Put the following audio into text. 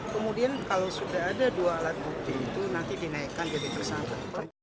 kemudian kalau sudah ada dua alat bukti itu nanti dinaikkan jadi tersangka